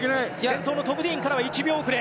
先頭のトム・ディーンからは１秒遅れ。